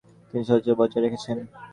তিনি সাহিত্যচর্চা বজায় রেখেছেন।